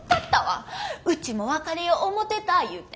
ウチも別れよ思うてた言うて。